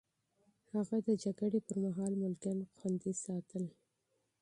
هغه د جګړې پر مهال ملکيان خوندي ساتل.